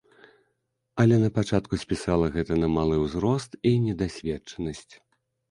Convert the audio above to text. Але на пачатку спісала гэта на малы ўзрост і недасведчанасць.